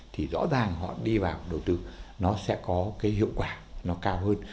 thì rõ ràng họ đi vào đầu tư nó sẽ có cái hiệu quả nó cao hơn